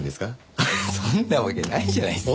フフッそんなわけないじゃないですか。